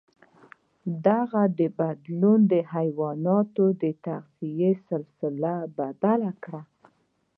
دغه بدلون د حیواناتو د تغذيې سلسله بدل کړه.